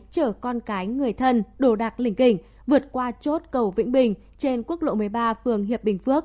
chở con cái người thân đổ đạc linh kình vượt qua chốt cầu vĩnh bình trên quốc lộ một mươi ba phường hiệp bình phước